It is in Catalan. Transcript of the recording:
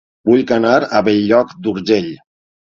Vull anar a Bell-lloc d'Urgell